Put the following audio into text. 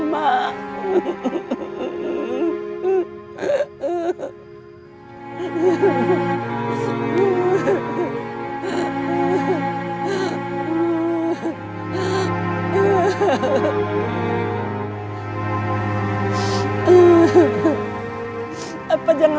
masuk sama space nya